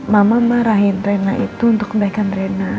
mama marahin rena itu untuk kebaikan rena